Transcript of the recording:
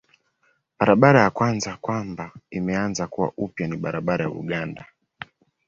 Barabara ya kwanza kwamba imeanza kuwa upya ni barabara ya Uganda.